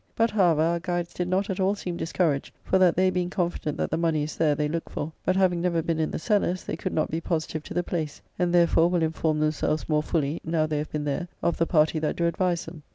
But, however, our guides did not at all seem discouraged; for that they being confident that the money is there they look for, but having never been in the cellars, they could not be positive to the place, and therefore will inform themselves more fully now they have been there, of the party that do advise them.